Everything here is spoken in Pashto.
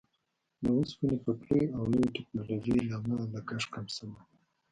د اوسپنې پټلیو او نویو ټیکنالوژیو له امله لګښت کم شوی وو.